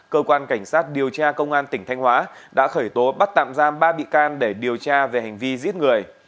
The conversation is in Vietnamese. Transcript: cơ quan cảnh sát điều tra công an tp hcm đã khởi tố bắt tạm giam ba bị can để điều tra về hành vi giết người